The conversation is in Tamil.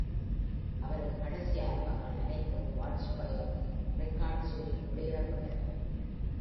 அவரது கடைசி ஆல்பங்கள் அனைத்தும் வாட்ச்ஃபயர் ரெக்கார்ட்ஸில் வெளியிடப்பட்டன.